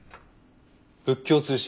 「仏教通信」。